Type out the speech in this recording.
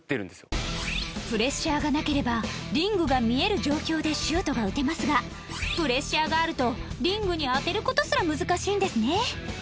プレッシャーがなければリングが見える状況でシュートが打てますがプレッシャーがあるとリングに当てる事すら難しいんですね